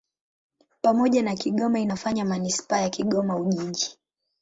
Pamoja na Kigoma inafanya manisipaa ya Kigoma-Ujiji.